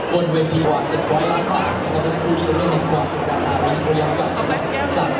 บนเวทีวันเจ็บไว้ล้างปากและสกุลดิโอเล็กกว่าคุณวิทยาลีจำกัด